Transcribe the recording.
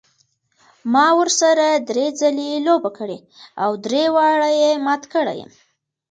ما ورسره درې ځلې لوبه کړې او درې واړه یې مات کړی یم.